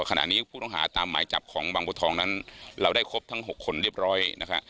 ขณะนี้ผู้ต้องหาตามหมายจับของบางบัวทองนั้นเราได้ครบทั้ง๖คนเรียบร้อยนะฮะ